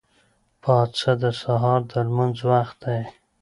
پاڅه! د سهار د لمونځ وخت دی.